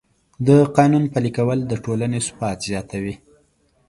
د قانون پلي کول د ټولنې ثبات زیاتوي.